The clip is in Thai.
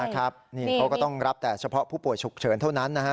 เขาก็ต้องรับแต่เฉพาะผู้ป่วยฉุกเฉินเท่านั้น